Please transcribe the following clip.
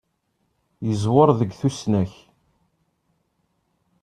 Yeẓwer deg tusnakt.